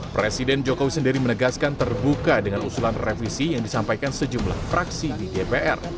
presiden jokowi sendiri menegaskan terbuka dengan usulan revisi yang disampaikan sejumlah fraksi di dpr